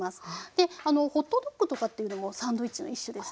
であのホットドッグとかっていうのもサンドイッチの一種ですよね。